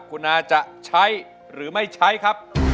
คุณอาจะใช้หรือไม่ใช้ครับ